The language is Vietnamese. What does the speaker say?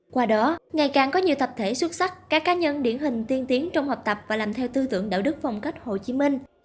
qua đó ngày càng có nhiều thập thể xuất sắc các cá nhân điển hình tiên tiến trong học tập và làm theo tư tưởng đạo đức phong cách hồ chí minh